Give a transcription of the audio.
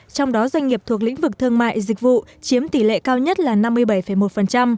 trong đó doanh nghiệp thuộc lĩnh vực thương mại dịch vụ chiếm tỷ lệ cao nhất là năm mươi bảy một